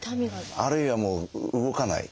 あるいはもう動かない。